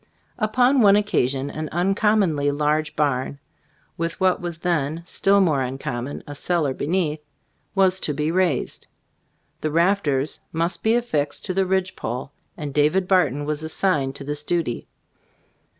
Upon one oc casion, an uncommonly large barn, with what was then still more uncom mon, a cellar beneath, was to be raised. The rafters must be affixed to the ridge pole, and David Barton was assigned to this duty.